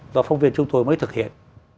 do phông viên chúng tôi mới thực hiện